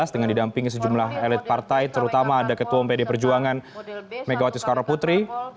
dengan didampingi sejumlah elit partai terutama ada ketua mpd perjuangan megawati soekarno putri